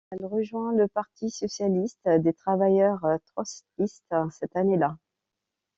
Elle rejoint le Parti socialiste des travailleurs trotskistes cette année-là.